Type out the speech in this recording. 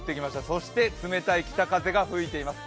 そして冷たい北風が吹いています。